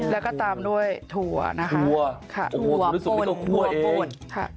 แล้วก็ตามด้วยถั่วนะคะถั่วป่นถั่วป่นค่ะ